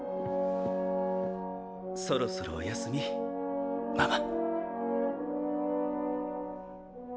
そろそろおやすみママ。